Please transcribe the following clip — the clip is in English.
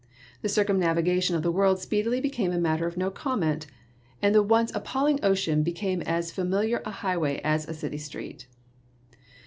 The circumnavigation of the world speedily became a matter of no comment, and the once appalling ocean became as familiar a highway as a city street.